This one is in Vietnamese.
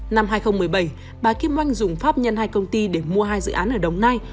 năm hai nghìn một mươi bảy bà kim oanh dùng pháp nhân hai công ty để mua hai dự án ở đồng nai